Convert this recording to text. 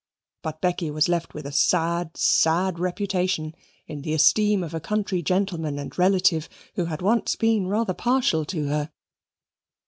But Becky was left with a sad sad reputation in the esteem of a country gentleman and relative who had been once rather partial to her.